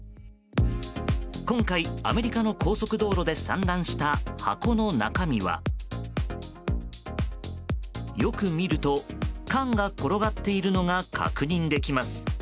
今回、アメリカの高速道路で散乱した箱の中身はよく見ると缶が転がっているのが確認できます。